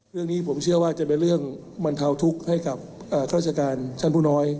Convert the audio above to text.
เรื่องนี้ผมเชื่อว่าจะเป็นเรื่องบรรเทาทุกข์ให้กับราชการชั้นผู้น้อย